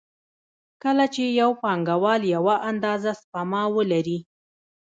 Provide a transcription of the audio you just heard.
کله چې یو پانګوال یوه اندازه سپما ولري